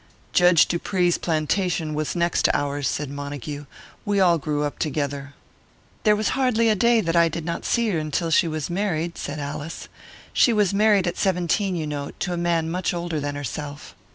"Judge Dupree's plantation was next to ours," said Montague. "We all grew up together." "There was hardly a day that I did not see her until she was married," said Alice. "She was married at seventeen, you know to a man much older than herself."